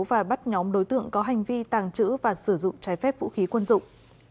và bắt nhóm đối tượng có hành vi tàng trữ và sử dụng trái phép vũ khí quân dụng